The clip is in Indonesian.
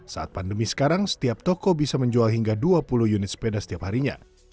saat pandemi sekarang setiap toko bisa menjual hingga dua puluh unit sepeda setiap harinya